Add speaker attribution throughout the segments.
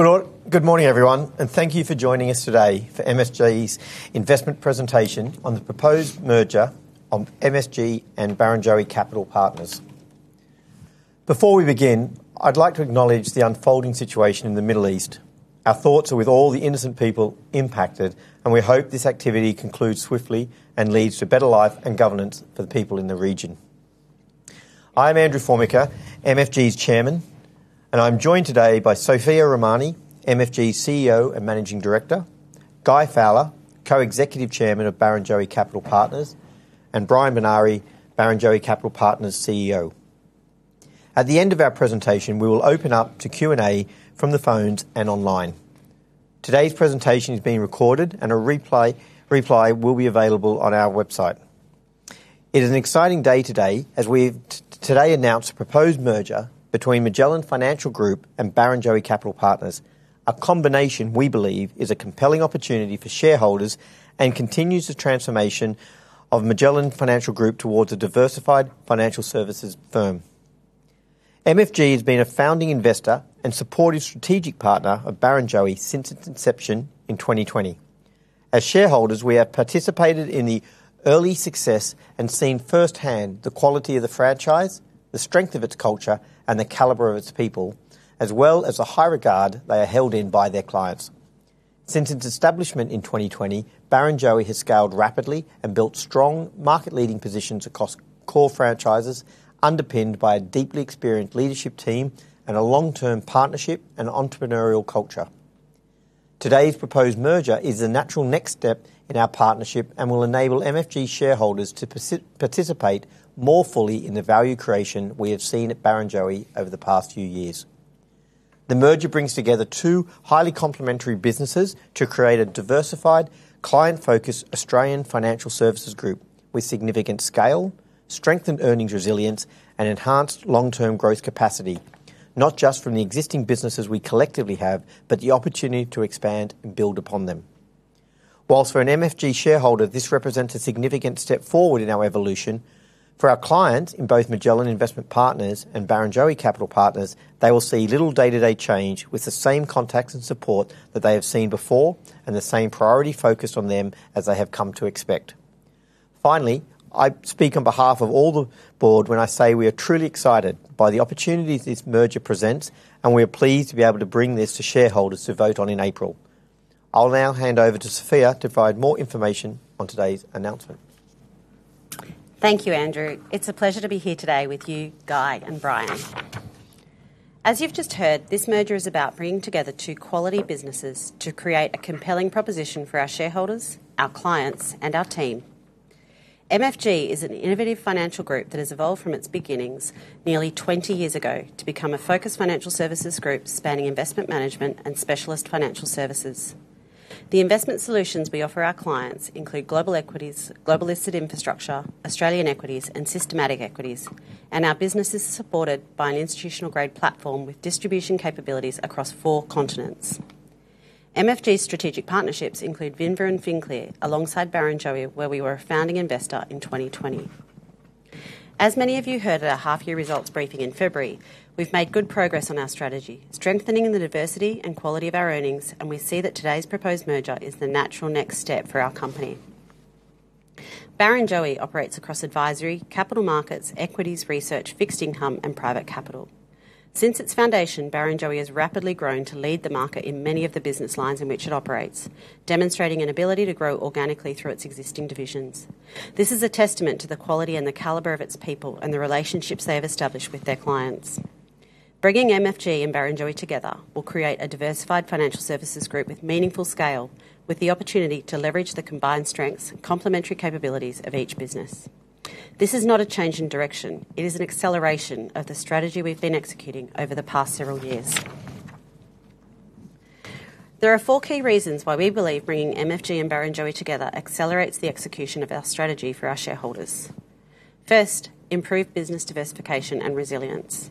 Speaker 1: Good morning everyone. Thank you for joining us today for MFG's investment presentation on the proposed merger of MFG and Barrenjoey Capital Partners. Before we begin, I'd like to acknowledge the unfolding situation in the Middle East. Our thoughts are with all the innocent people impacted, and we hope this activity concludes swiftly and leads to better life and governance for the people in the region. I'm Andrew Formica, MFG's Chairman, and I'm joined today by Sophia Rahmani, MFG's CEO and Managing Director, Guy Fowler, Co-Executive Chairman of Barrenjoey Capital Partners, and Brian Benari, Barrenjoey Capital Partners CEO. At the end of our presentation, we will open up to Q&A from the phones and online. Today's presentation is being recorded and a replay will be available on our website. It is an exciting day today as we've today announce a proposed merger between Magellan Financial Group and Barrenjoey Capital Partners. A combination we believe is a compelling opportunity for shareholders and continues the transformation of Magellan Financial Group towards a diversified financial services firm. MFG has been a founding investor and supportive strategic partner of Barrenjoey since its inception in 2020. As shareholders, we have participated in the early success and seen firsthand the quality of the franchise, the strength of its culture, and the caliber of its people, as well as the high regard they are held in by their clients. Since its establishment in 2020, Barrenjoey has scaled rapidly and built strong market-leading positions across core franchises, underpinned by a deeply experienced leadership team and a long-term partnership and entrepreneurial culture. Today's proposed merger is the natural next step in our partnership and will enable MFG shareholders to participate more fully in the value creation we have seen at Barrenjoey over the past few years. The merger brings together two highly complementary businesses to create a diversified, client-focused Australian financial services group with significant scale, strengthened earnings resilience, and enhanced long-term growth capacity, not just from the existing businesses we collectively have, but the opportunity to expand and build upon them. For an MFG shareholder, this represents a significant step forward in our evolution. For our clients in both Magellan Investment Partners and Barrenjoey Capital Partners, they will see little day-to-day change with the same contacts and support that they have seen before and the same priority focus on them as they have come to expect. I speak on behalf of all the board when I say we are truly excited by the opportunity this merger presents, and we are pleased to be able to bring this to shareholders to vote on in April. I'll now hand over to Sophia to provide more information on today's announcement.
Speaker 2: Thank you, Andrew. It's a pleasure to be here today with you, Guy, and Brian. As you've just heard, this merger is about bringing together two quality businesses to create a compelling proposition for our shareholders, our clients, and our team. MFG is an innovative financial group that has evolved from its beginnings nearly 20 years ago to become a focused financial services group spanning investment management and specialist financial services. The investment solutions we offer our clients include global equities, global listed infrastructure, Australian equities, and systematic equities. Our business is supported by an institutional-grade platform with distribution capabilities across four continents. MFG's strategic partnerships include Vinva and FinClear, alongside Barrenjoey, where we were a founding investor in 2020. As many of you heard at our half-year results briefing in February, we've made good progress on our strategy, strengthening the diversity and quality of our earnings, and we see that today's proposed merger is the natural next step for our company. Barrenjoey operates across advisory, Capital Markets, Equities, Research, Fixed Income, and Private Capital. Since its foundation, Barrenjoey has rapidly grown to lead the market in many of the business lines in which it operates, demonstrating an ability to grow organically through its existing divisions. This is a testament to the quality and the caliber of its people and the relationships they have established with their clients. Bringing MFG and Barrenjoey together will create a diversified financial services group with meaningful scale, with the opportunity to leverage the combined strengths and complementary capabilities of each business. This is not a change in direction. It is an acceleration of the strategy we've been executing over the past several years. There are four key reasons why we believe bringing MFG and Barrenjoey together accelerates the execution of our strategy for our shareholders. First, improved business diversification and resilience.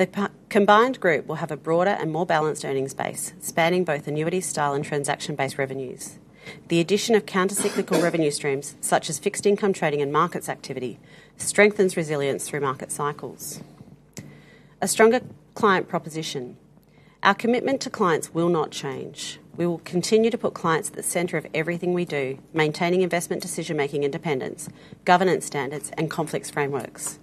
Speaker 2: The combined group will have a broader and more balanced earnings base, spanning both annuity style and transaction-based revenues. The addition of counter-cyclical revenue streams, such as Fixed Income, Trading and Markets activity, strengthens resilience through market cycles. A stronger client proposition. Our commitment to clients will not change. We will continue to put clients at the center of everything we do, maintaining investment decision-making independence, governance standards, and conflicts frameworks.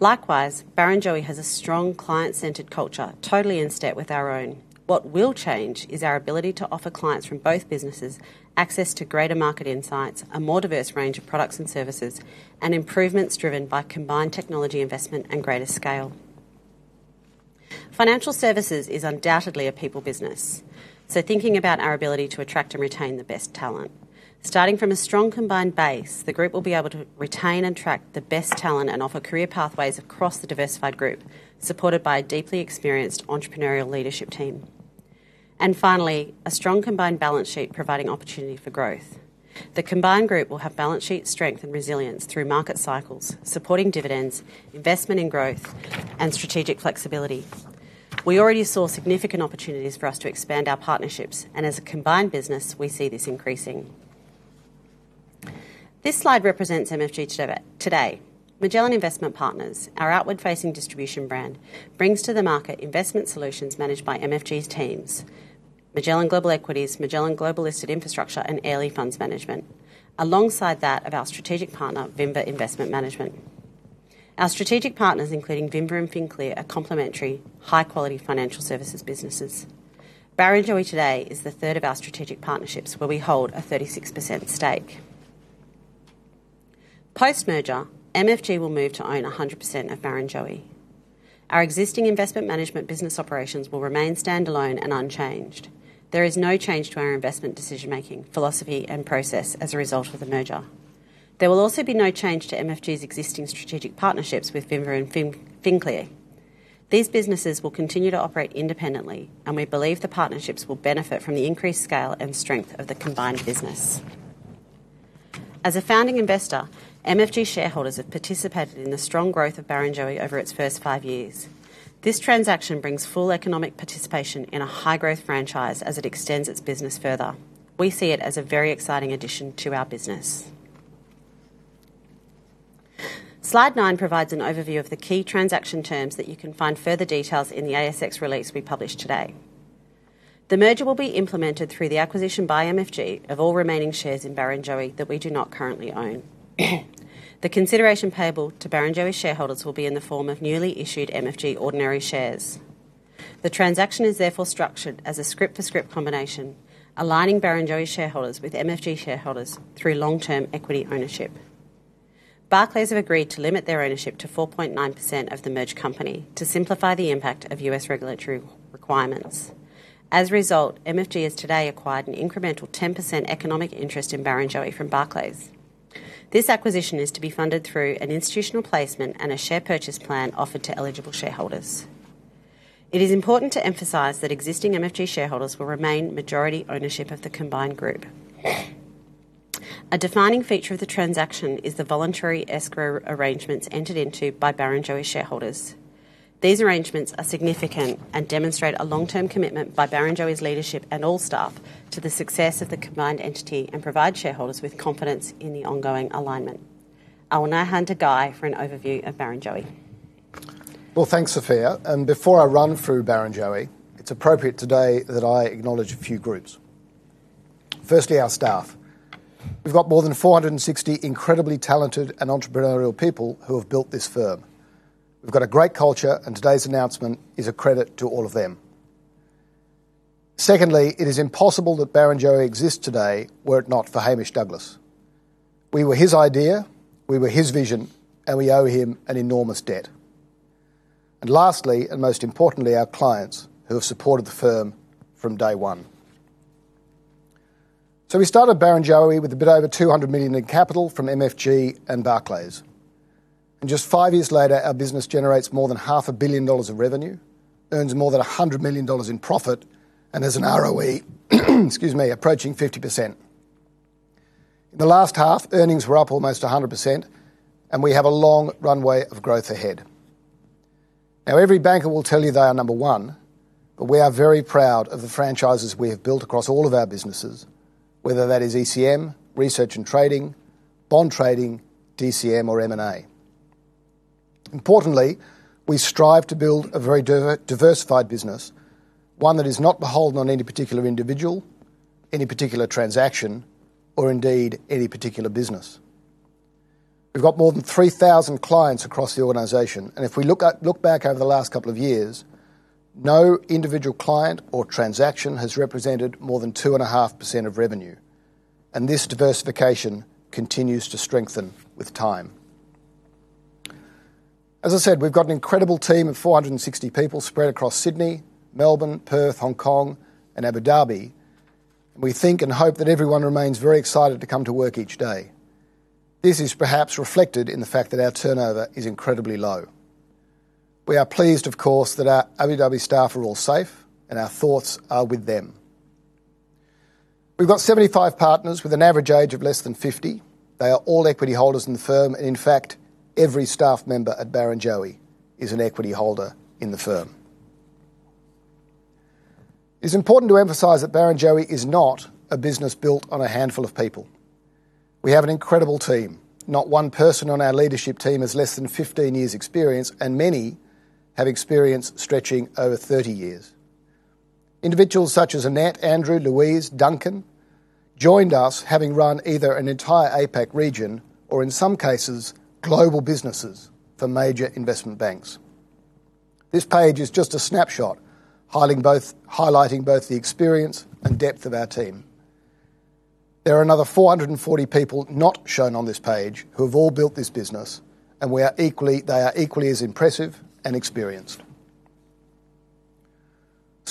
Speaker 2: Likewise, Barrenjoey has a strong client-centered culture, totally in step with our own. What will change is our ability to offer clients from both businesses access to greater market insights, a more diverse range of products and services, and improvements driven by combined technology investment and greater scale. Financial services is undoubtedly a people business. Thinking about our ability to attract and retain the best talent. Starting from a strong combined base, the group will be able to retain and attract the best talent and offer career pathways across the diversified group, supported by a deeply experienced entrepreneurial leadership team. Finally, a strong combined balance sheet providing opportunity for growth. The combined group will have balance sheet strength and resilience through market cycles, supporting dividends, investment in growth, and strategic flexibility. We already saw significant opportunities for us to expand our partnerships, and as a combined business, we see this increasing. This slide represents MFG today. Magellan Investment Partners, our outward-facing distribution brand, brings to the market investment solutions managed by MFG's teams. Magellan Global Equities, Magellan Global Listed Infrastructure, and Airlie Funds Management, alongside that of our strategic partner, Vinva Investment Management. Our strategic partners, including Vinva and FinClear, are complementary high-quality financial services businesses. Barrenjoey today is the third of our strategic partnerships where we hold a 36% stake. Post-merger, MFG will move to own 100% of Barrenjoey. Our existing investment management business operations will remain standalone and unchanged. There is no change to our investment decision-making, philosophy, and process as a result of the merger. There will also be no change to MFG's existing strategic partnerships with Vinva and FinClear. These businesses will continue to operate independently, and we believe the partnerships will benefit from the increased scale and strength of the combined business. As a founding investor, MFG shareholders have participated in the strong growth of Barrenjoey over its first five years. This transaction brings full economic participation in a high-growth franchise as it extends its business further. We see it as a very exciting addition to our business. Slide nine provides an overview of the key transaction terms that you can find further details in the ASX release we published today. The merger will be implemented through the acquisition by MFG of all remaining shares in Barrenjoey that we do not currently own. The consideration payable to Barrenjoey shareholders will be in the form of newly issued MFG ordinary shares. The transaction is therefore structured as a scrip for scrip combination, aligning Barrenjoey shareholders with MFG shareholders through long-term equity ownership. Barclays have agreed to limit their ownership to 4.9% of the merged company to simplify the impact of U.S. regulatory requirements. MFG has today acquired an incremental 10% economic interest in Barrenjoey from Barclays. This acquisition is to be funded through an institutional placement and a share purchase plan offered to eligible shareholders. It is important to emphasize that existing MFG shareholders will remain majority ownership of the combined group. A defining feature of the transaction is the voluntary escrow arrangements entered into by Barrenjoey shareholders. These arrangements are significant and demonstrate a long-term commitment by Barrenjoey's leadership and all staff to the success of the combined entity and provide shareholders with confidence in the ongoing alignment. I will now hand to Guy for an overview of Barrenjoey.
Speaker 3: Well, thanks, Sophia. Before I run through Barrenjoey, it's appropriate today that I acknowledge a few groups. Firstly, our staff. We've got more than 460 incredibly talented and entrepreneurial people who have built this firm. We've got a great culture, and today's announcement is a credit to all of them. Secondly, it is impossible that Barrenjoey exists today were it not for Hamish Douglass. We were his idea, we were his vision, and we owe him an enormous debt. Lastly, and most importantly, our clients who have supported the firm from day one. We started Barrenjoey with a bit over 200 million in capital from MFG and Barclays. Just five years later, our business generates more than half a billion dollars of revenue, earns more than 100 million dollars in profit, and has an ROE, excuse me, approaching 50%. In the last half, earnings were up almost 100%, and we have a long runway of growth ahead. Now, every banker will tell you they are number one, but we are very proud of the franchises we have built across all of our businesses, whether that is ECM, Research and Trading, Bond Trading, DCM or M&A. Importantly, we strive to build a very diversified business, one that is not beholden on any particular individual, any particular transaction, or indeed any particular business. We've got more than 3,000 clients across the organization, and if we look back over the last couple of years, no individual client or transaction has represented more than 2.5% of revenue, and this diversification continues to strengthen with time. As I said, we've got an incredible team of 460 people spread across Sydney, Melbourne, Perth, Hong Kong, and Abu Dhabi. We think and hope that everyone remains very excited to come to work each day. This is perhaps reflected in the fact that our turnover is incredibly low. We are pleased, of course, that our Abu Dhabi staff are all safe and our thoughts are with them. We've got 75 partners with an average age of less than 50. In fact, every staff member at Barrenjoey is an equity holder in the firm. It's important to emphasize that Barrenjoey is not a business built on a handful of people. We have an incredible team. Not one person on our leadership team has less than 15 years' experience, and many have experience stretching over 30 years. Individuals such as Annette, Andrew, Louise, Duncan, joined us having run either an entire APAC region or in some cases global businesses for major investment banks. This page is just a snapshot, highlighting both the experience and depth of our team. There are another 440 people not shown on this page who have all built this business, and they are equally as impressive and experienced.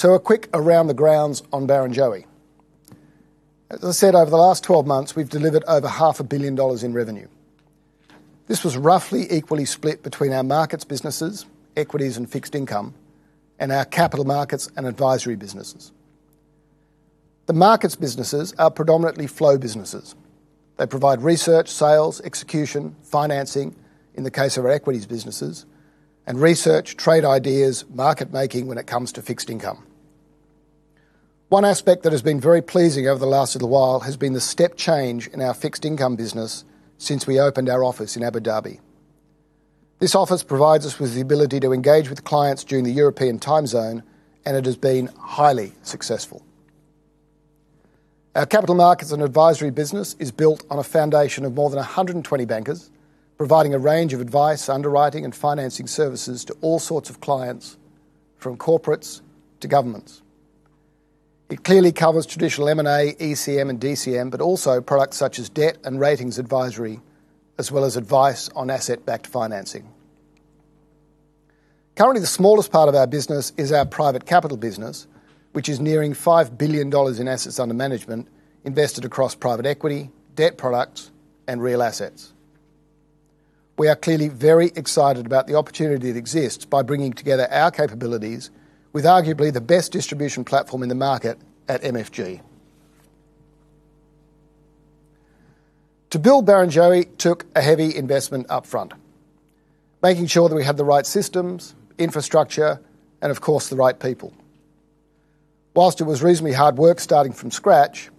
Speaker 3: A quick around the grounds on Barrenjoey. As I said, over the last 12 months, we've delivered over half a billion Australian dollar in revenue. This was roughly equally split between our markets businesses, Equities and Fixed Income, and our Capital Markets and Advisory businesses. The markets businesses are predominantly flow businesses. They provide research, sales, execution, financing, in the case of our Equities businesses, and research, trade ideas, market making when it comes to Fixed Income. One aspect that has been very pleasing over the last little while has been the step change in our Fixed Income business since we opened our office in Abu Dhabi. This office provides us with the ability to engage with clients during the European time zone, and it has been highly successful. Our Capital Markets and advisory business is built on a foundation of more than 120 bankers, providing a range of advice, underwriting, and financing services to all sorts of clients, from corporates to governments. It clearly covers traditional M&A, ECM and DCM, but also products such as debt and ratings advisory, as well as advice on asset-backed financing. Currently, the smallest part of our business is our Private Capital business, which is nearing 5 billion dollars in assets under management, invested across private equity, debt products, and real assets. We are clearly very excited about the opportunity that exists by bringing together our capabilities with arguably the best distribution platform in the market at MFG. To build Barrenjoey took a heavy investment upfront, making sure that we had the right systems, infrastructure, and of course, the right people. While it was reasonably hard work starting from scratch,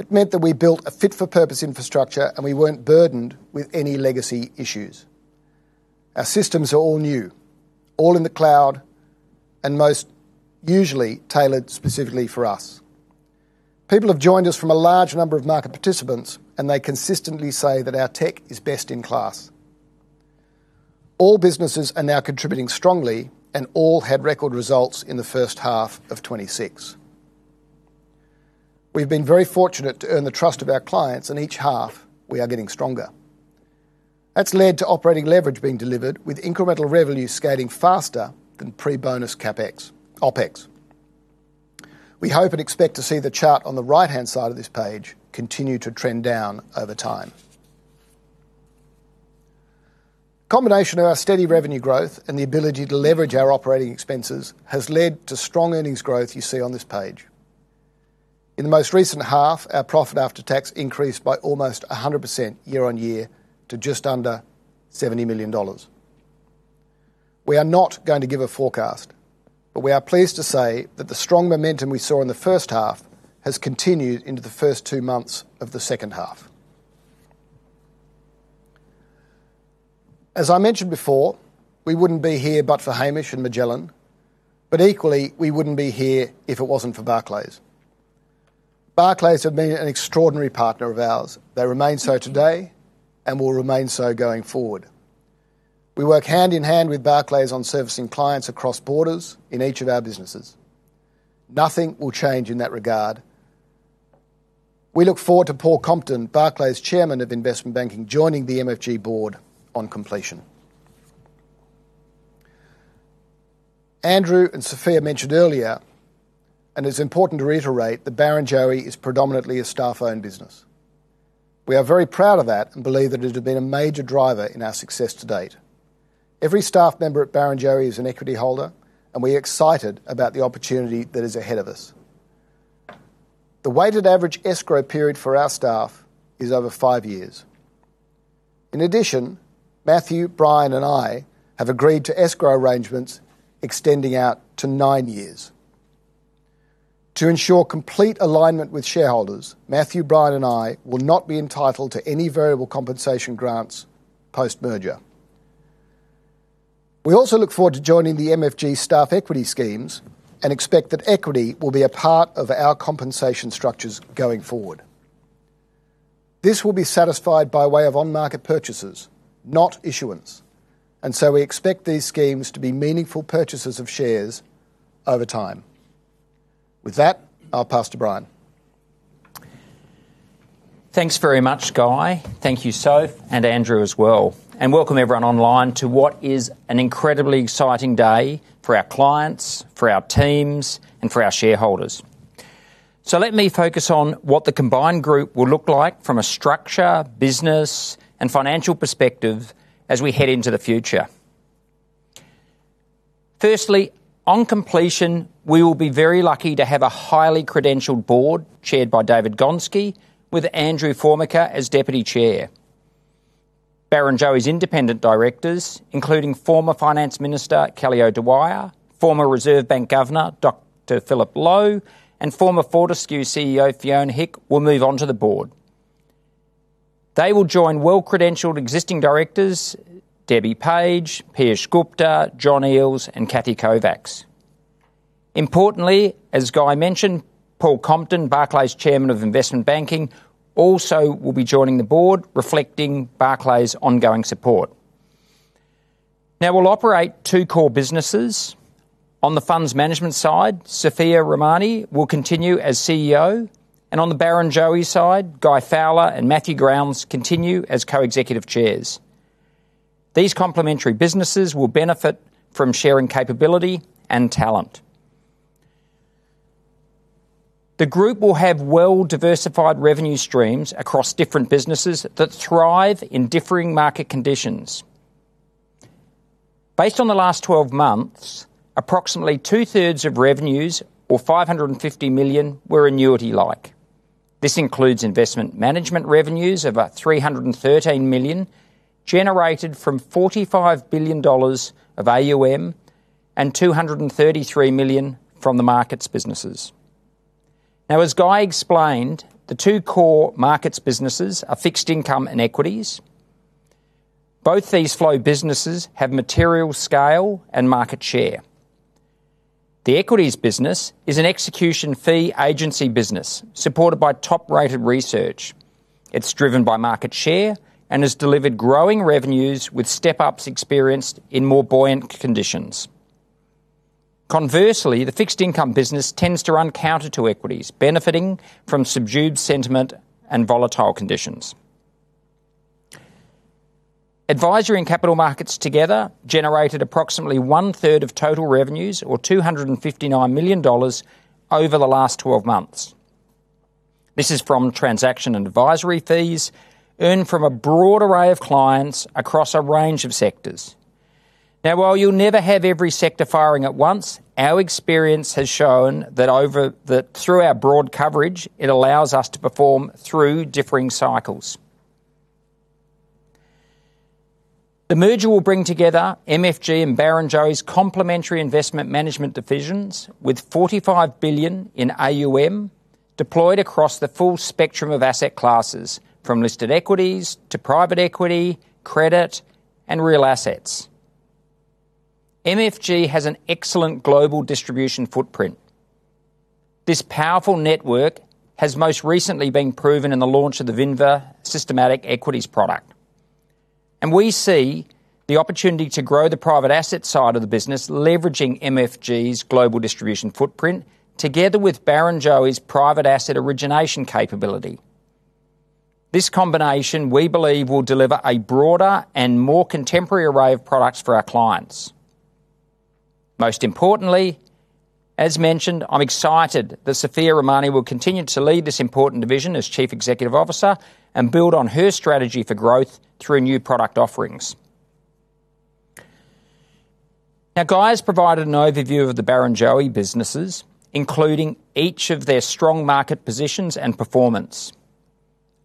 Speaker 3: it meant that we built a fit-for-purpose infrastructure, and we weren't burdened with any legacy issues. Our systems are all new, all in the cloud, and most usually tailored specifically for us. People have joined us from a large number of market participants, and they consistently say that our tech is best in class. All businesses are now contributing strongly, and all had record results in the first half of 2026. We've been very fortunate to earn the trust of our clients, in each half we are getting stronger. That's led to operating leverage being delivered with incremental revenue scaling faster than pre-bonus CapEx, OpEx. We hope and expect to see the chart on the right-hand side of this page continue to trend down over time. Combination of our steady revenue growth and the ability to leverage our operating expenses has led to strong earnings growth you see on this page. In the most recent half, our profit after tax increased by almost 100% year-on-year to just under 70 million dollars. We are not going to give a forecast, but we are pleased to say that the strong momentum we saw in the first half has continued into the first two months of the second half. As I mentioned before, we wouldn't be here but for Hamish and Magellan, but equally, we wouldn't be here if it wasn't for Barclays. Barclays have been an extraordinary partner of ours. They remain so today and will remain so going forward. We work hand-in-hand with Barclays on servicing clients across borders in each of our businesses. Nothing will change in that regard. We look forward to Paul Compton, Barclays Chairman of Investment Banking, joining the MFG board on completion. Andrew and Sophia mentioned earlier, and it's important to reiterate, that Barrenjoey is predominantly a staff-owned business. We are very proud of that and believe that it has been a major driver in our success to date. Every staff member at Barrenjoey is an equity holder, and we're excited about the opportunity that is ahead of us. The weighted average escrow period for our staff is over five years. In addition, Matthew, Brian, and I have agreed to escrow arrangements extending out to nine years. To ensure complete alignment with shareholders, Matthew, Brian, and I will not be entitled to any variable compensation grants post-merger. We also look forward to joining the MFG staff equity schemes and expect that equity will be a part of our compensation structures going forward. This will be satisfied by way of on-market purchases, not issuance, and so we expect these schemes to be meaningful purchases of shares over time. With that, I'll pass to Brian.
Speaker 4: Thanks very much, Guy. Thank you, Sophia and Andrew as well. Welcome everyone online to what is an incredibly exciting day for our clients, for our teams, and for our shareholders. Let me focus on what the combined group will look like from a structure, business, and financial perspective as we head into the future. Firstly, on completion, we will be very lucky to have a highly credentialed board chaired by David Gonski, with Andrew Formica as Deputy Chair. Barrenjoey's independent directors, including former Finance Minister Kelly O'Dwyer, former Reserve Bank Governor Dr. Philip Lowe, and former Fortescue CEO Fiona Hick, will move on to the board. They will join well-credentialed existing directors Debbie Page, Peeyush Gupta, John Eales, and Cathy Kovacs. Importantly, as Guy mentioned, Paul Compton, Barclays Chairman of Investment Banking, also will be joining the board, reflecting Barclays' ongoing support. Now, we'll operate two core businesses. On the funds management side, Sophia Rahmani will continue as CEO, and on the Barrenjoey side, Guy Fowler and Matthew Grounds continue as Co-Executive Chairs. These complementary businesses will benefit from sharing capability and talent. The group will have well-diversified revenue streams across different businesses that thrive in differing market conditions. Based on the last twelve months, approximately 2/3 of revenues or 550 million were annuity-like. This includes investment management revenues of 313 million, generated from 45 billion dollars of AUM and 233 million from the markets businesses. Now, as Guy explained, the two core markets businesses are Fixed Income and Equities. Both these flow businesses have material scale and market share. The Equities business is an execution fee agency business supported by top-rated research. It's driven by market share and has delivered growing revenues with step-ups experienced in more buoyant conditions. Conversely, the Fixed Income business tends to run counter to equities benefiting from subdued sentiment and volatile conditions. Advisory and Capital Markets together generated approximately 1/3 of total revenues or 259 million dollars over the last 12 months. This is from transaction and advisory fees earned from a broad array of clients across a range of sectors. Now, while you'll never have every sector firing at once, our experience has shown that through our broad coverage, it allows us to perform through differing cycles. The merger will bring together MFG and Barrenjoey's complementary investment management divisions with 45 billion in AUM deployed across the full spectrum of asset classes, from listed equities to private equity, credit, and real assets. MFG has an excellent global distribution footprint. This powerful network has most recently been proven in the launch of the Vinva systematic equities product. We see the opportunity to grow the private asset side of the business, leveraging MFG's global distribution footprint, together with Barrenjoey's private asset origination capability. This combination, we believe, will deliver a broader and more contemporary array of products for our clients. Most importantly, as mentioned, I'm excited that Sophia Rahmani will continue to lead this important division as Chief Executive Officer and build on her strategy for growth through new product offerings. Guy has provided an overview of the Barrenjoey businesses, including each of their strong market positions and performance.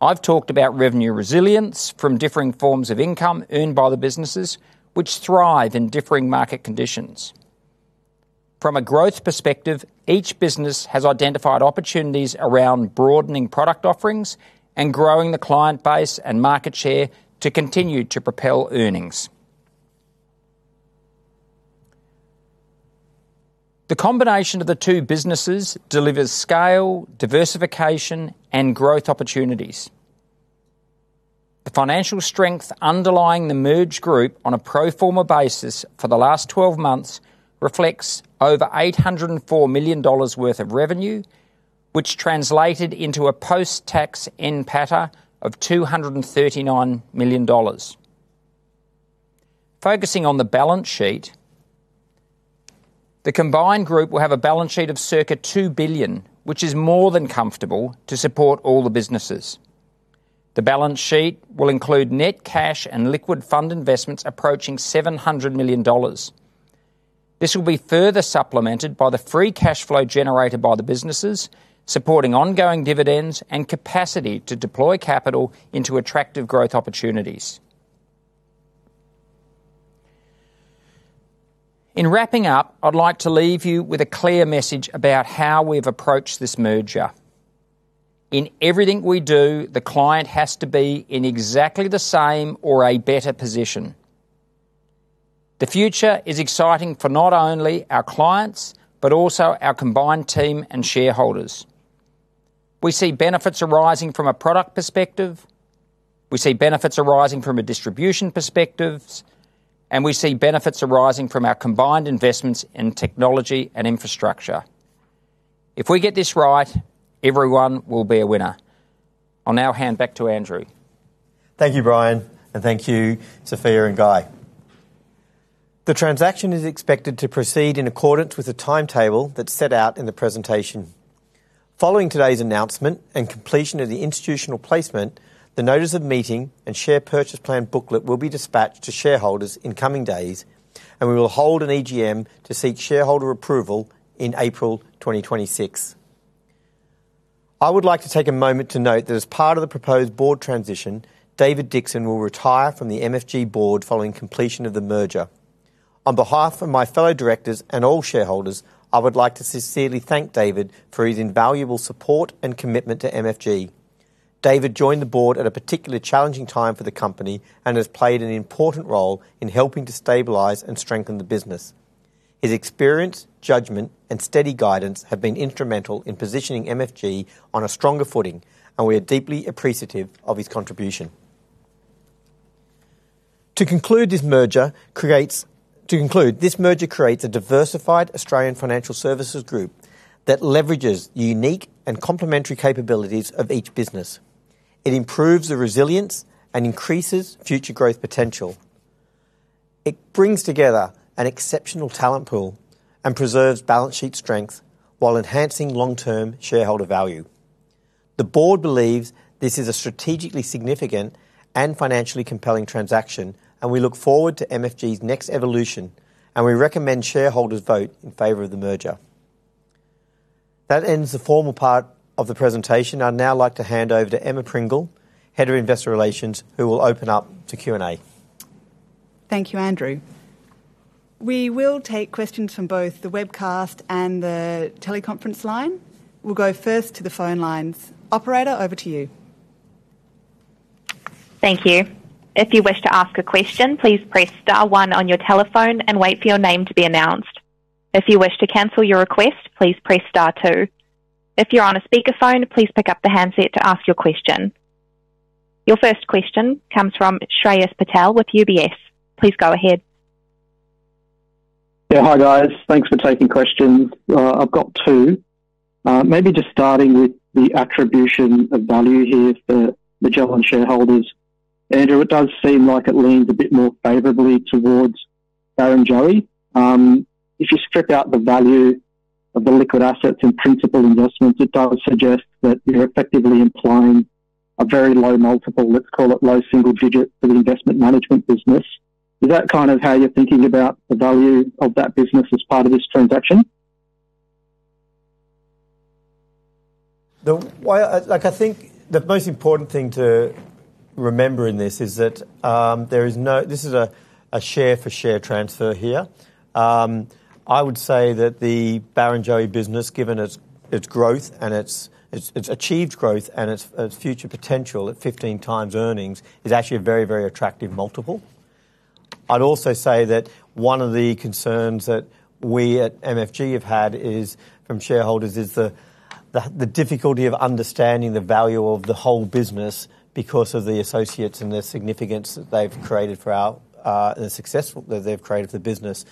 Speaker 4: I've talked about revenue resilience from differing forms of income earned by the businesses, which thrive in differing market conditions. From a growth perspective, each business has identified opportunities around broadening product offerings and growing the client base and market share to continue to propel earnings. The combination of the two businesses delivers scale, diversification, and growth opportunities. The financial strength underlying the merge group on a pro forma basis for the last 12 months reflects over 804 million dollars worth of revenue, which translated into a post-tax NPATA of 239 million dollars. Focusing on the balance sheet, the combined group will have a balance sheet of circa 2 billion, which is more than comfortable to support all the businesses. The balance sheet will include net cash and liquid fund investments approaching 700 million dollars. This will be further supplemented by the free cash flow generated by the businesses, supporting ongoing dividends and capacity to deploy capital into attractive growth opportunities. In wrapping up, I'd like to leave you with a clear message about how we've approached this merger. In everything we do, the client has to be in exactly the same or a better position. The future is exciting for not only our clients, but also our combined team and shareholders. We see benefits arising from a product perspective, we see benefits arising from a distribution perspectives, and we see benefits arising from our combined investments in technology and infrastructure. If we get this right, everyone will be a winner. I'll now hand back to Andrew.
Speaker 1: Thank you, Brian. Thank you, Sophia and Guy. The transaction is expected to proceed in accordance with the timetable that's set out in the presentation. Following today's announcement and completion of the institutional placement, the notice of meeting and share purchase plan booklet will be dispatched to shareholders in coming days, and we will hold an EGM to seek shareholder approval in April 2026. I would like to take a moment to note that as part of the proposed board transition, David Dixon will retire from the MFG board following completion of the merger. On behalf of my fellow directors and all shareholders, I would like to sincerely thank David for his invaluable support and commitment to MFG. David joined the board at a particularly challenging time for the company and has played an important role in helping to stabilize and strengthen the business. His experience, judgment, and steady guidance have been instrumental in positioning MFG on a stronger footing, and we are deeply appreciative of his contribution. To conclude, this merger creates a diversified Australian financial services group that leverages the unique and complementary capabilities of each business. It improves the resilience and increases future growth potential. It brings together an exceptional talent pool and preserves balance sheet strength while enhancing long-term shareholder value. The board believes this is a strategically significant and financially compelling transaction, and we look forward to MFG's next evolution. We recommend shareholders vote in favor of the merger. That ends the formal part of the presentation. I'd now like to hand over to Emma Pringle, Head of Investor Relations, who will open up to Q&A.
Speaker 5: Thank you, Andrew. We will take questions from both the webcast and the teleconference line. We'll go first to the phone lines. Operator, over to you.
Speaker 6: Thank you. If you wish to ask a question, please press star one on your telephone and wait for your name to be announced. If you wish to cancel your request, please press star two. If you're on a speaker phone, please pick up the handset to ask your question. Your first question comes from Shreyas Patel with UBS. Please go ahead.
Speaker 7: Yeah. Hi, guys. Thanks for taking questions. I've got two. Maybe just starting with the attribution of value here for Magellan shareholders. Andrew, it does seem like it leans a bit more favorably towards Barrenjoey. If you strip out the value of the liquid assets and principal investments, it does suggest that you're effectively implying a very low multiple, let's call it low single digit for the investment management business. Is that kind of how you're thinking about the value of that business as part of this transaction?
Speaker 1: The way I, like, I think the most important thing to remember in this is that there is no this is a share for share transfer here. I would say that the Barrenjoey business, given its growth and its achieved growth and its future potential at 15 times earnings is actually a very, very attractive multiple. I'd also say that one of the concerns that we at MFG have had is, from shareholders, is the difficulty of understanding the value of the whole business because of the associates and the significance that they've created for the success that they've created for the business.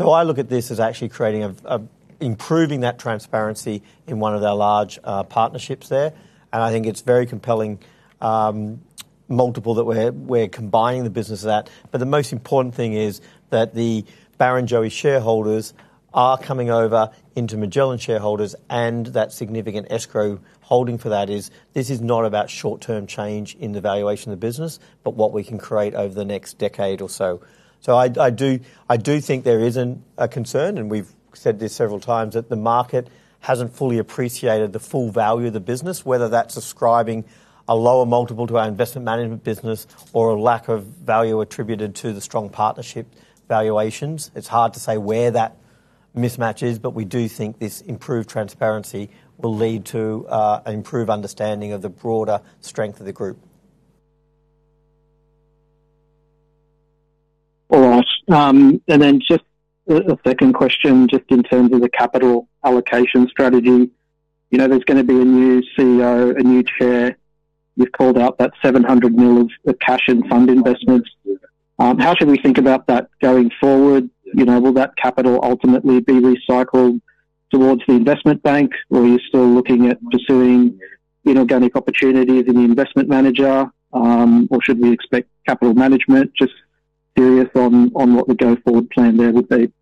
Speaker 1: I look at this as actually creating a, improving that transparency in one of their large partnerships there. I think it's very compelling multiple that we're combining the business at. The most important thing is that the Barrenjoey shareholders are coming over into Magellan shareholders and that significant escrow holding for that is this is not about short-term change in the valuation of the business, but what we can create over the next decade or so. I do think there isn't a concern, and we've said this several times, that the market hasn't fully appreciated the full value of the business, whether that's ascribing a lower multiple to our investment management business or a lack of value attributed to the strong partnership valuations. It's hard to say where that mismatch is, but we do think this improved transparency will lead to an improved understanding of the broader strength of the group.
Speaker 7: All right. Just a second question, just in terms of the capital allocation strategy. You know, there's gonna be a new CEO, a new chair. You've called out that 700 million of cash and fund investments. How should we think about that going forward? You know, will that capital ultimately be recycled towards the investment bank or are you still looking at pursuing inorganic opportunities in the investment manager, or should we expect capital management? Just curious on what the go-forward plan there would be.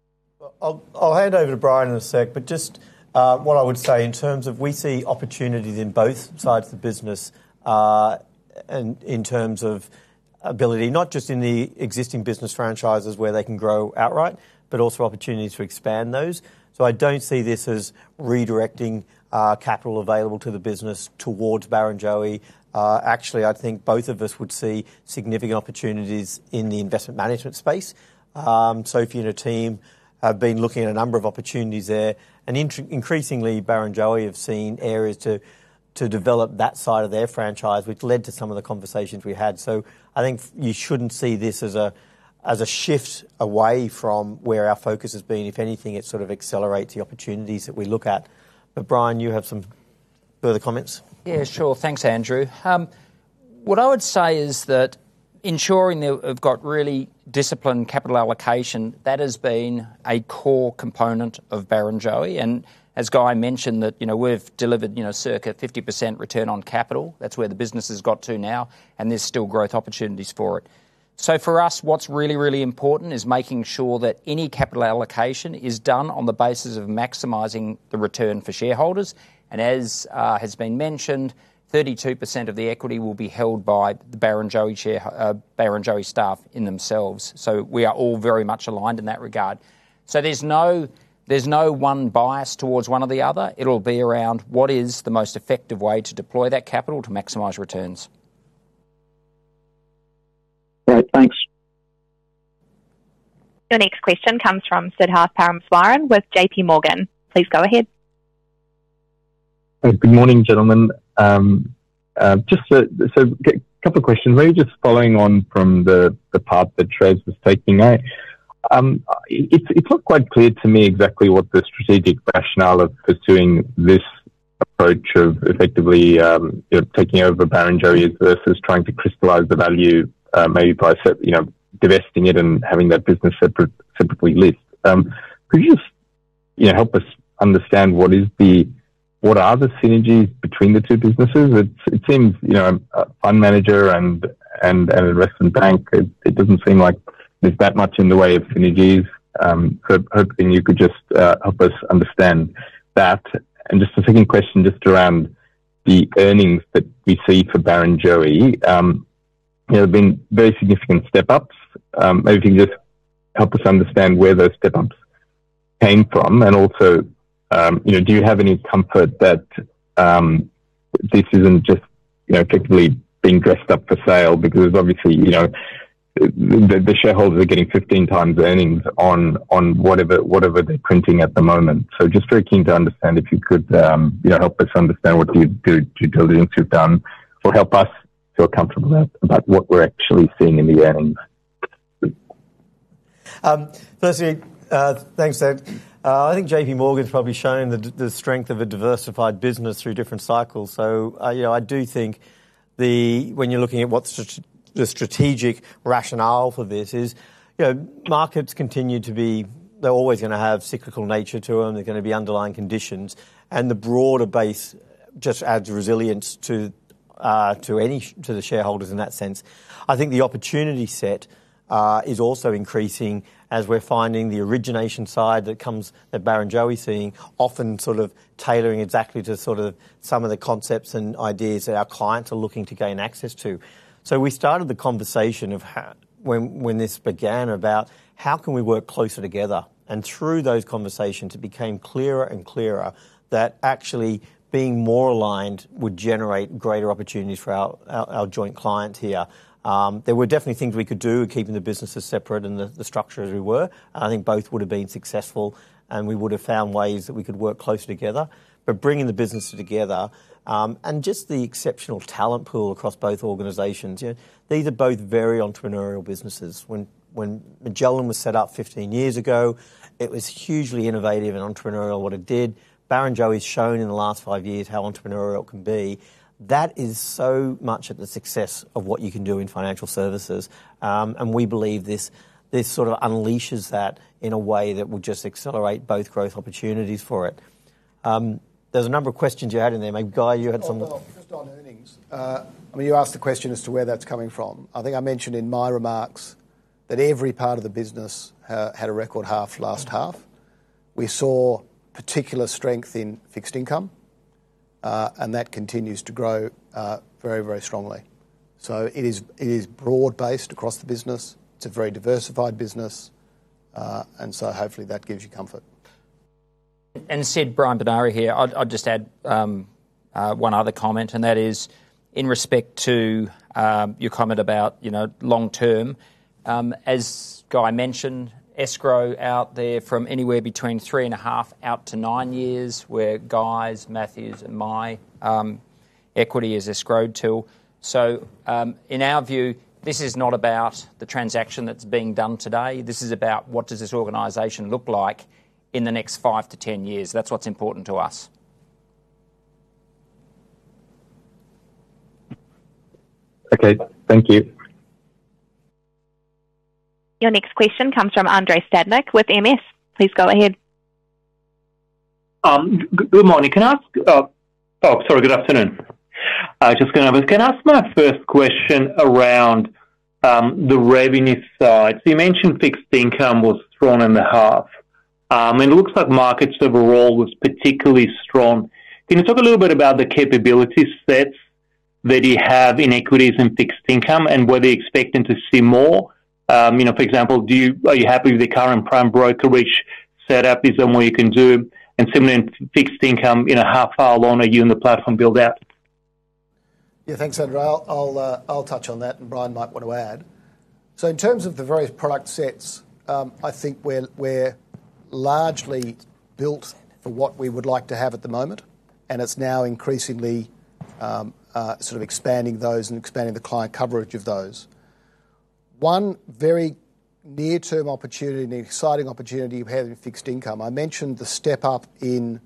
Speaker 1: Well, I'll hand over to Brian in a sec, but just what I would say in terms of we see opportunities in both sides of the business, in terms of ability. Not just in the existing business franchises where they can grow outright, but also opportunities to expand those. I don't see this as redirecting capital available to the business towards Barrenjoey. Actually, I think both of us would see significant opportunities in the investment management space. Sophia and her team have been looking at a number of opportunities there. Increasingly, Barrenjoey have seen areas to develop that side of their franchise, which led to some of the conversations we had. I think you shouldn't see this as a shift away from where our focus has been. If anything, it sort of accelerates the opportunities that we look at. Brian, you have some further comments?
Speaker 4: Yeah, sure. Thanks, Andrew. What I would say is that ensuring that we've got really disciplined capital allocation, that has been a core component of Barrenjoey. As Guy mentioned that, you know, we've delivered, you know, circa 50% return on capital. That's where the business has got to now, and there's still growth opportunities for it. For us, what's really, really important is making sure that any capital allocation is done on the basis of maximizing the return for shareholders. As has been mentioned, 32% of the equity will be held by the Barrenjoey staff in themselves. We are all very much aligned in that regard. There's no one bias towards one or the other. It'll be around what is the most effective way to deploy that capital to maximize returns.
Speaker 7: Great. Thanks.
Speaker 6: Your next question comes from Siddharth Parameswaran with JPMorgan. Please go ahead.
Speaker 8: Good morning, gentlemen. Just a couple of questions. Maybe just following on from the path that Shreyas was taking out. It, it's not quite clear to me exactly what the strategic rationale of pursuing this approach of effectively taking over Barrenjoey versus trying to crystallize the value, maybe by you know, divesting it and having that business separate, separately list. Could you know, help us understand what is the, what are the synergies between the two businesses? It seems, you know, a fund manager and, and investment bank, it doesn't seem like there's that much in the way of synergies. Hoping you could just help us understand that. Just a second question, just around the earnings that we see for Barrenjoey. There have been very significant step-ups? Maybe you can just help us understand where those step-ups came from. Do you have any comfort that, you know, this isn't just, you know, technically being dressed up for sale? Because obviously, you know, the shareholders are getting 15 times earnings on whatever they're printing at the moment. Just very keen to understand, if you could, you know, help us understand what good due diligence you've done or help us feel comfortable about what we're actually seeing in the earnings?
Speaker 1: Firstly, thanks, Sid. I think JPMorgan's probably shown the strength of a diversified business through different cycles. I, you know, I do think when you're looking at what's the strategic rationale for this is, you know, markets continue to be. They're always gonna have cyclical nature to them. They're gonna be underlying conditions, and the broader base just adds resilience to any, to the shareholders in that sense. I think the opportunity set is also increasing as we're finding the origination side that Barrenjoey's seeing, often sort of tailoring exactly to sort of some of the concepts and ideas that our clients are looking to gain access to. We started the conversation of when this began, about how can we work closer together? Through those conversations, it became clearer and clearer that actually being more aligned would generate greater opportunities for our joint client here. There were definitely things we could do, keeping the businesses separate and the structure as we were. I think both would have been successful, and we would have found ways that we could work closely together. Bringing the business together, and just the exceptional talent pool across both organizations, you know, these are both very entrepreneurial businesses. When Magellan was set up 15 years ago, it was hugely innovative and entrepreneurial in what it did. Barrenjoey's shown in the last five years how entrepreneurial it can be. That is so much of the success of what you can do in financial services. We believe this sort of unleashes that in a way that will just accelerate both growth opportunities for it. There's a number of questions you had in there. Maybe, Guy, you had some-.
Speaker 3: Well, just on earnings. I mean, you asked the question as to where that's coming from. I think I mentioned in my remarks that every part of the business had a record half last half. We saw particular strength in Fixed Income, and that continues to grow very strongly. It is broad-based across the business. It's a very diversified business. Hopefully that gives you comfort.
Speaker 4: Sid, Brian Benari here, I'd just add one other comment, and that is in respect to your comment about, you know, long term. As Guy mentioned, escrow out there from anywhere between three and a half out to nine years, where Guy's, Matthew's and my equity is escrowed to. In our view, this is not about the transaction that's being done today. This is about what does this organization look like in the next five to 10 years. That's what's important to us.
Speaker 8: Okay. Thank you.
Speaker 6: Your next question comes from Andrei Stadnik with Morgan Stanley. Please go ahead.
Speaker 9: Good morning. Can I ask, oh, sorry, good afternoon. Can I ask my first question around the revenue side? You mentioned Fixed Income was strong in the half. It looks like markets overall was particularly strong. Can you talk a little bit about the capability sets that you have in Equities and Fixed Income, and were they expecting to see more? You know, for example, do you, are you happy with the current prime brokerage setup? Is there more you can do? Similarly in Fixed Income, you know, how far along are you in the platform build-out?
Speaker 3: Yeah, thanks, Andrei. I'll touch on that, and Brian might want to add. In terms of the various product sets, I think we're largely built for what we would like to have at the moment, and it's now increasingly sort of expanding those and expanding the client coverage of those. One very near-term opportunity and an exciting opportunity we have in Fixed Income, I mentioned the step up in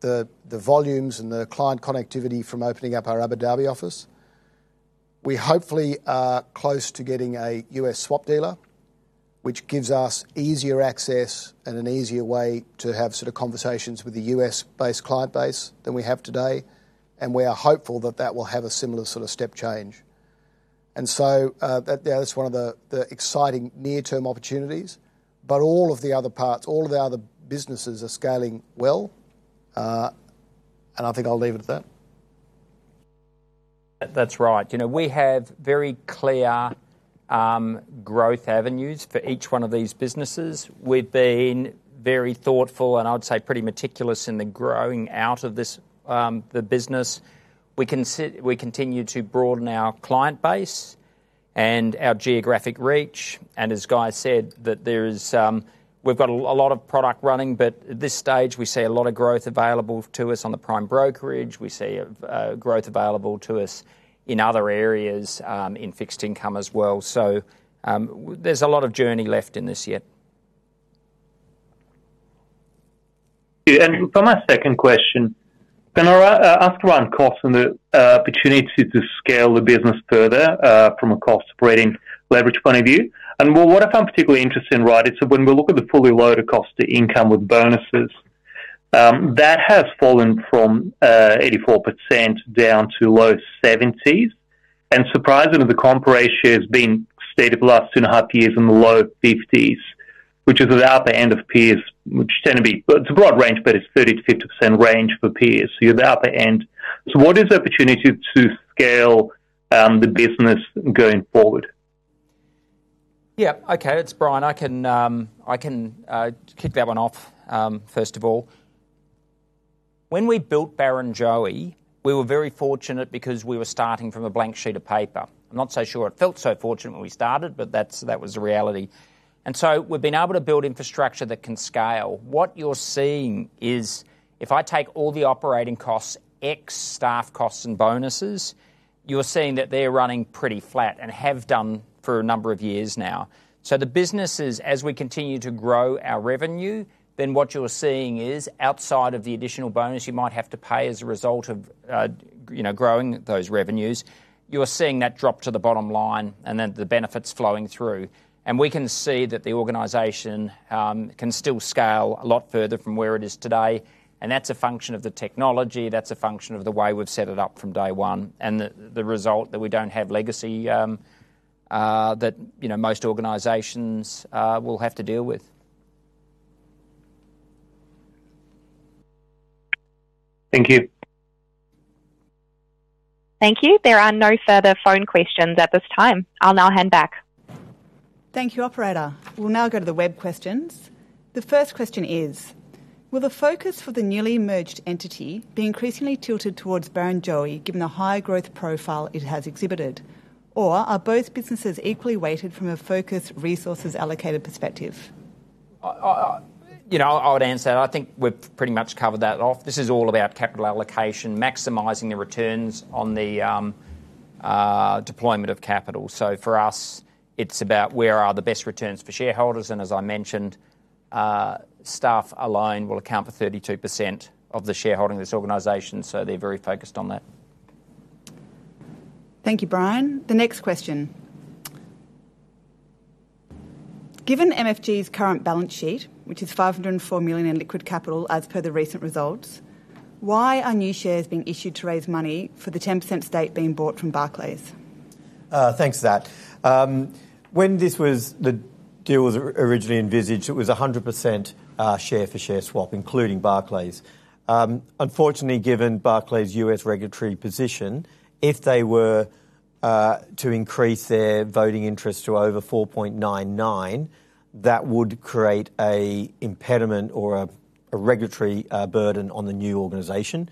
Speaker 3: the volumes and the client connectivity from opening up our Abu Dhabi office. We hopefully are close to getting a U.S. swap dealer, which gives us easier access and an easier way to have sort of conversations with the U.S.-based client base than we have today. We are hopeful that that will have a similar sort of step change. That, yeah, that's one of the exciting near-term opportunities. All of the other parts, all of the other businesses are scaling well, and I think I'll leave it at that.
Speaker 4: That's right. You know, we have very clear growth avenues for each one of these businesses. We've been very thoughtful and I would say pretty meticulous in the growing out of this the business. We continue to broaden our client base and our geographic reach. As Guy said, that there is we've got a lot of product running, at this stage, we see a lot of growth available to us on the prime brokerage. We see a growth available to us in other areas in Fixed Income as well. There's a lot of journey left in this yet.
Speaker 9: Yeah. For my second question, can I ask around costs and the opportunity to scale the business further from a cost-spreading leverage point of view? What I'm particularly interested in, right, it's when we look at the fully loaded cost to income with bonuses, that has fallen from 84% down to low 70s. Surprisingly, the comp ratio has been steady for the last two and a half years in the low 50s. Which is at the upper end of peers, which tend to be... It's a broad range, but it's 30%-50% range for peers. You're the upper end. What is the opportunity to scale the business going forward?
Speaker 4: Yeah. Okay, it's Brian. I can kick that one off. First of all. When we built Barrenjoey, we were very fortunate because we were starting from a blank sheet of paper. I'm not so sure it felt so fortunate when we started, but that's, that was the reality. We've been able to build infrastructure that can scale. What you're seeing is if I take all the operating costs, X staff costs and bonuses, you're seeing that they're running pretty flat and have done for a number of years now. The business is, as we continue to grow our revenue, then what you're seeing is outside of the additional bonus you might have to pay as a result of, you know, growing those revenues, you're seeing that drop to the bottom line and then the benefits flowing through. We can see that the organization can still scale a lot further from where it is today, and that's a function of the technology, that's a function of the way we've set it up from day one, and the result that we don't have legacy that, you know, most organizations will have to deal with.
Speaker 9: Thank you.
Speaker 6: Thank you. There are no further phone questions at this time. I'll now hand back.
Speaker 5: Thank you, operator. We'll now go to the web questions. The first question is, will the focus for the newly merged entity be increasingly tilted towards Barrenjoey, given the high growth profile it has exhibited? Or are both businesses equally weighted from a focused resources allocated perspective?
Speaker 4: You know, I would answer that. I think we've pretty much covered that off. This is all about capital allocation, maximizing the returns on the deployment of capital. For us, it's about where are the best returns for shareholders. As I mentioned, staff alone will account for 32% of the shareholding of this organization, so they're very focused on that.
Speaker 5: Thank you, Brian. The next question. Given MFG's current balance sheet, which is 504 million in liquid capital as per the recent results, why are new shares being issued to raise money for the 10% stake being bought from Barclays?
Speaker 1: Thanks for that. When this was, the deal was originally envisaged, it was 100% share-for-share swap, including Barclays. Unfortunately, given Barclays' U.S. regulatory position, if they were to increase their voting interest to over 4.99%, that would create an impediment or a regulatory burden on the new organization.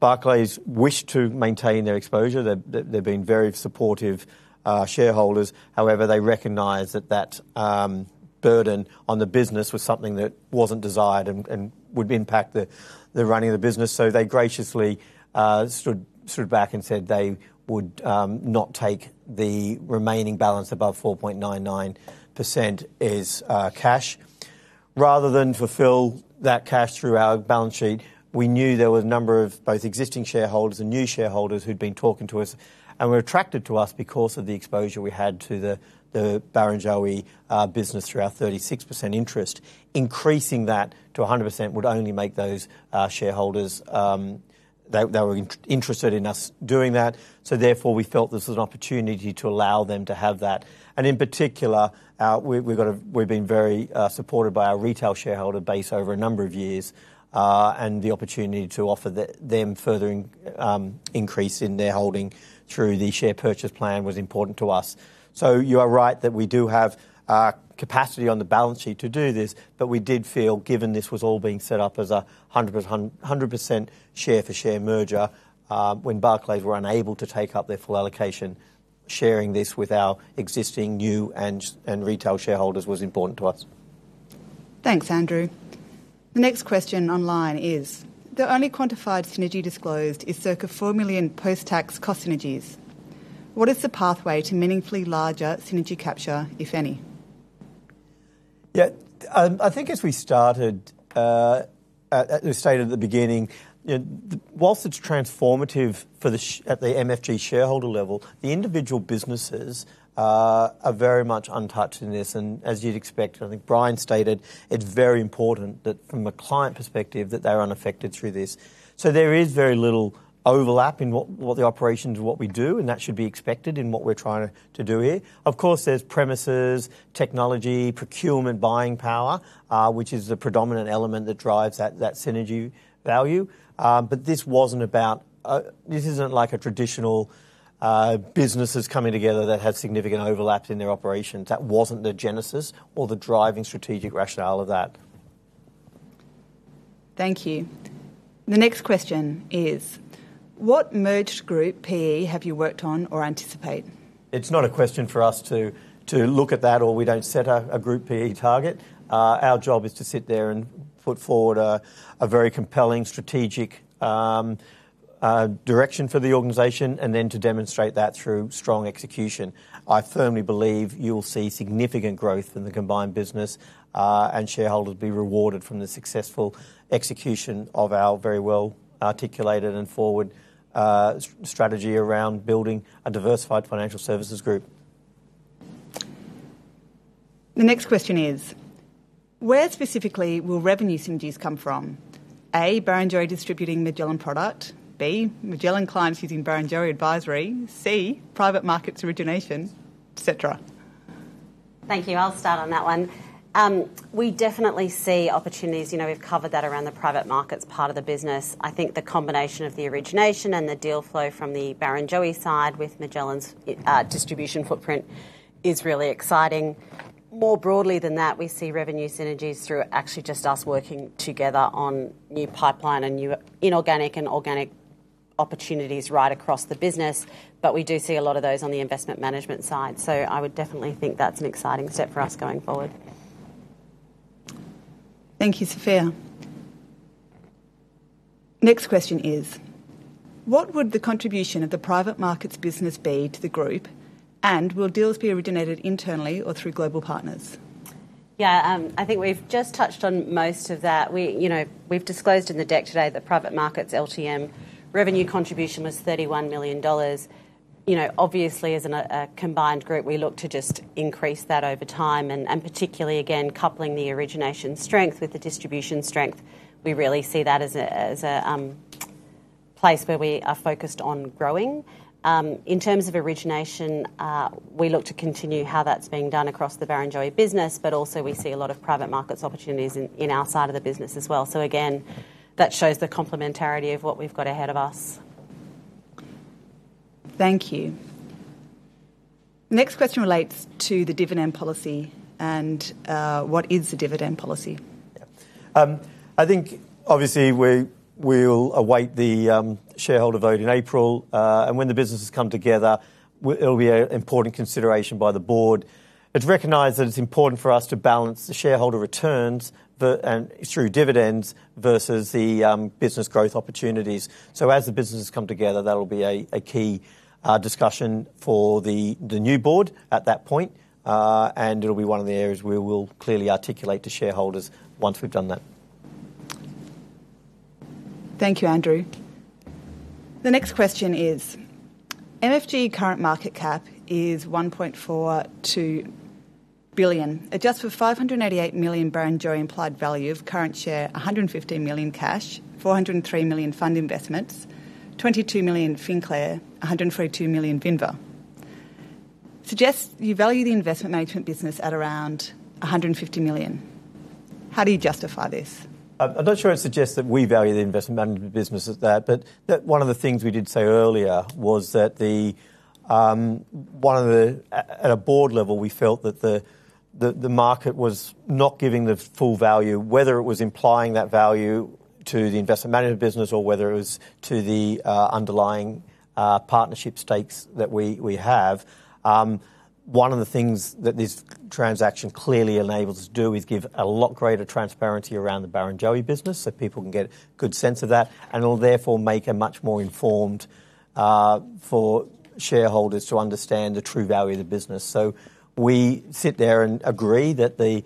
Speaker 1: Barclays wished to maintain their exposure. They've been very supportive shareholders. They recognized that burden on the business was something that wasn't desired and would impact the running of the business. They graciously stood back and said they would not take the remaining balance above 4.99% as cash. Rather than fulfill that cash through our balance sheet, we knew there were a number of both existing shareholders and new shareholders who'd been talking to us and were attracted to us because of the exposure we had to the Barrenjoey business through our 36% interest. Increasing that to 100% would only make those shareholders, they were interested in us doing that. Therefore, we felt this was an opportunity to allow them to have that. In particular, we've been very supported by our retail shareholder base over a number of years, and the opportunity to offer them further increase in their holding through the share purchase plan was important to us. You are right that we do have capacity on the balance sheet to do this, but we did feel, given this was all being set up as a 100% share-for-share merger, when Barclays were unable to take up their full allocation, sharing this with our existing, new, and retail shareholders was important to us.
Speaker 5: Thanks, Andrew. The next question online is, the only quantified synergy disclosed is circa 4 million post-tax cost synergies. What is the pathway to meaningfully larger synergy capture, if any?
Speaker 1: Yeah. I think as we started at the start of the beginning, you know, whilst it's transformative for the MFG shareholder level, the individual businesses are very much untouched in this. As you'd expect, I think Brian stated, it's very important that from a client perspective, that they're unaffected through this. There is very little overlap in what the operations of what we do, and that should be expected in what we're trying to do here. Of course, there's premises, technology, procurement buying power, which is the predominant element that drives that synergy value. This wasn't about, this isn't like a traditional businesses coming together that had significant overlaps in their operations. That wasn't the genesis or the driving strategic rationale of that.
Speaker 5: Thank you. The next question is, what merged group PE have you worked on or anticipate?
Speaker 1: It's not a question for us to look at that or we don't set a group PE target. Our job is to sit there and put forward a very compelling strategic direction for the organization and then to demonstrate that through strong execution. I firmly believe you'll see significant growth in the combined business and shareholders be rewarded from the successful execution of our very well-articulated and forward strategy around building a diversified financial services group.
Speaker 5: The next question is, where specifically will revenue synergies come from? A, Barrenjoey distributing Magellan product. B, Magellan clients using Barrenjoey advisory. C, private markets origination, etc.
Speaker 2: Thank you. I'll start on that one. We definitely see opportunities. You know, we've covered that around the private markets part of the business. I think the combination of the origination and the deal flow from the Barrenjoey side with Magellan's distribution footprint is really exciting. More broadly than that, we see revenue synergies through actually just us working together on new pipeline and new inorganic and organic opportunities right across the business. We do see a lot of those on the investment management side. I would definitely think that's an exciting step for us going forward.
Speaker 5: Thank you, Sophia. Next question is, "What would the contribution of the private markets business be to the group, and will deals be originated internally or through global partners?
Speaker 2: Yeah, I think we've just touched on most of that. We, you know, we've disclosed in the deck today that private markets LTM revenue contribution was 31 million dollars. You know, obviously, as a combined group, we look to just increase that over time, and particularly, again, coupling the origination strength with the distribution strength. We really see that as a, as a place where we are focused on growing. In terms of origination, we look to continue how that's being done across the Barrenjoey business, but also we see a lot of private markets opportunities in our side of the business as well. Again, that shows the complementarity of what we've got ahead of us.
Speaker 5: Thank you. Next question relates to the dividend policy. What is the dividend policy?
Speaker 1: Yep. I think obviously we'll await the shareholder vote in April. When the businesses come together, it'll be an important consideration by the board. It's recognized that it's important for us to balance the shareholder returns and through dividends versus the business growth opportunities. As the businesses come together, that'll be a key discussion for the new board at that point. It'll be one of the areas we will clearly articulate to shareholders once we've done that.
Speaker 5: Thank you, Andrew. The next question is, MFG current market cap is 1.42 billion. Adjust for 588 million Barrenjoey implied value of current share, 115 million cash, 403 million fund investments, 22 million FinClear, 142 million Vinva. Suggest you value the investment management business at around 150 million. How do you justify this?
Speaker 1: I'm not sure I'd suggest that we value the investment management business as that, but one of the things we did say earlier was that the. At a board level, we felt that the market was not giving the full value, whether it was implying that value to the investment management business or whether it was to the underlying partnership stakes that we have. One of the things that this transaction clearly enables us to do is give a lot greater transparency around the Barrenjoey business so people can get good sense of that and will therefore make a much more informed for shareholders to understand the true value of the business. We sit there and agree that the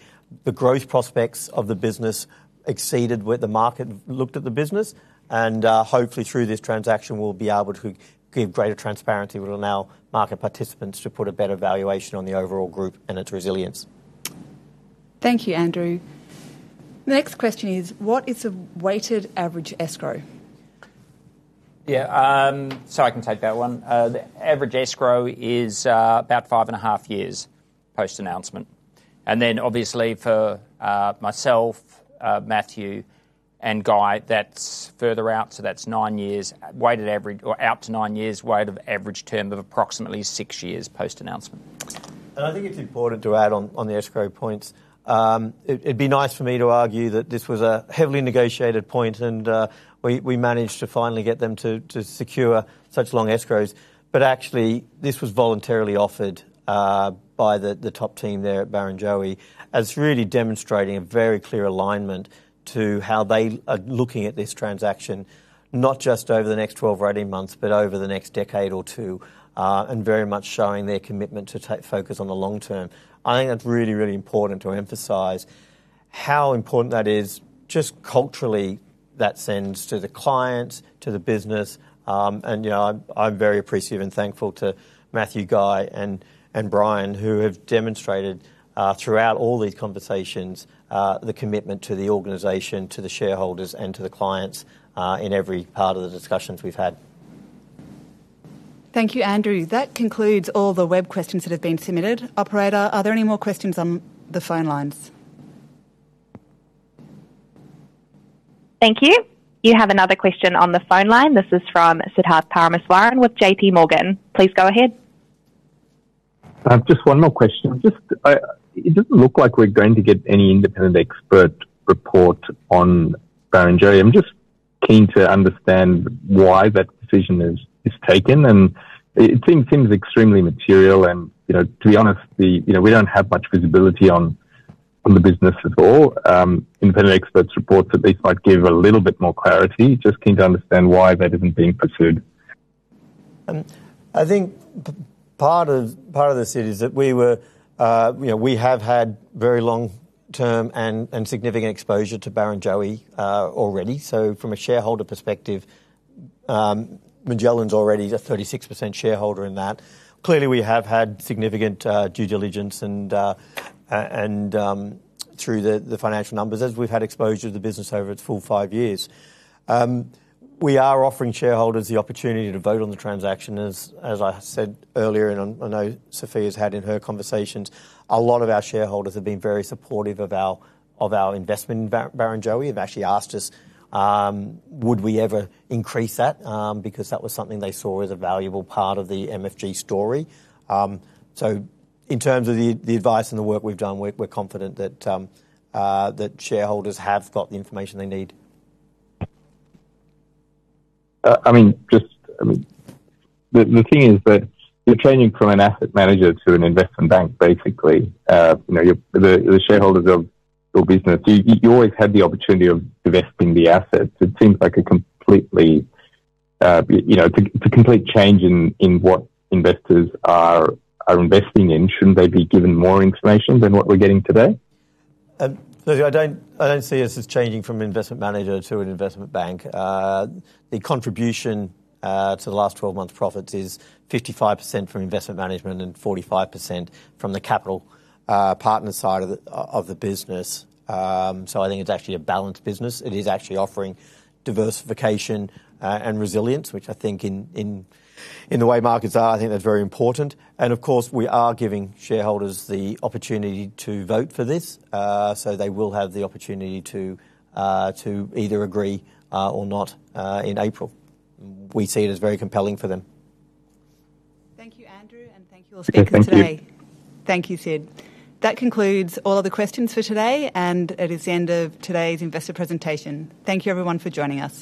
Speaker 1: growth prospects of the business exceeded what the market looked at the business, and hopefully through this transaction we'll be able to give greater transparency, which will allow market participants to put a better valuation on the overall group and its resilience.
Speaker 5: Thank you, Andrew. The next question is, what is a weighted average escrow?
Speaker 4: I can take that one. The average escrow is about five and half years post-announcement. Obviously for myself, Matthew and Guy, that's further out, so that's nine years. Weighted average or out to nine years, weighted average term of approximately six years post-announcement.
Speaker 1: I think it's important to add on the escrow points. It'd be nice for me to argue that this was a heavily negotiated point and we managed to finally get them to secure such long escrows. Actually this was voluntarily offered by the top team there at Barrenjoey as really demonstrating a very clear alignment to how they are looking at this transaction, not just over the next 12 or 18 months, but over the next decade or two, and very much showing their commitment to take focus on the long term. I think that's really, really important to emphasize how important that is just culturally that sends to the clients, to the business. You know, I'm very appreciative and thankful to Matthew, Guy and Brian, who have demonstrated, throughout all these conversations, the commitment to the organization, to the shareholders, and to the clients, in every part of the discussions we've had.
Speaker 5: Thank you, Andrew. That concludes all the web questions that have been submitted. Operator, are there any more questions on the phone lines?
Speaker 6: Thank you. You have another question on the phone line. This is from Siddharth Parameswaran with JPMorgan. Please go ahead.
Speaker 8: Just one more question. Just it doesn't look like we're going to get any independent expert report on Barrenjoey. I'm just keen to understand why that decision is taken. It seems extremely material and, you know, to be honest, you know, we don't have much visibility on the business at all. Independent experts reports at least might give a little bit more clarity. Just keen to understand why that isn't being pursued?
Speaker 1: I think part of this is that we have had very long-term and significant exposure to Barrenjoey already. From a shareholder perspective, Magellan's already a 36% shareholder in that. Clearly, we have had significant due diligence and through the financial numbers, as we've had exposure to the business over its full five years. We are offering shareholders the opportunity to vote on the transaction. As I said earlier, and I know Sophia's had in her conversations, a lot of our shareholders have been very supportive of our investment in Barrenjoey. Have actually asked us, would we ever increase that, because that was something they saw as a valuable part of the MFG story. In terms of the advice and the work we've done, we're confident that shareholders have got the information they need.
Speaker 8: I mean, the thing is that you're changing from an asset manager to an investment bank, basically. You know, the shareholders of your business, you always had the opportunity of divesting the assets. It seems like a completely, you know, it's a complete change in what investors are investing in. Shouldn't they be given more information than what we're getting today?
Speaker 1: I don't, I don't see us as changing from investment manager to an investment bank. The contribution to the last 12-month profits is 55% from investment management and 45% from the capital partner side of the business. I think it's actually a balanced business. It is actually offering diversification and resilience, which I think in, in the way markets are, I think that's very important. Of course, we are giving shareholders the opportunity to vote for this. They will have the opportunity to either agree or not in April. We see it as very compelling for them.
Speaker 5: Thank you, Andrew, and thank you all speakers today.
Speaker 8: Thank you.
Speaker 5: Thank you, Sid. That concludes all of the questions for today, and it is the end of today's investor presentation. Thank you, everyone, for joining us.